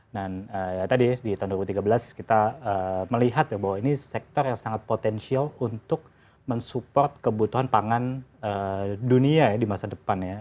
dan tadi ya di tahun dua ribu tiga belas kita melihat bahwa ini sektor yang sangat potensial untuk mensupport kebutuhan pangan dunia di masa depan